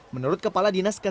menurut kepala dinas kesehatan